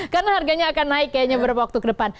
karena harganya akan naik kayaknya beberapa waktu ke depan